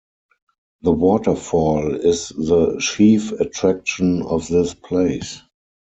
The waterfall is the chief attraction of this place.